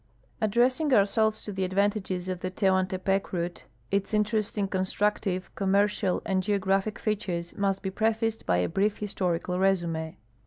Addressing ourselves to the advantages of the Tehuantepec route, its interesting construetive, commercial, and geographic features must be prefaced by a brief historical resume.